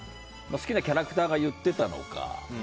好きなキャラクターが言ってたのか。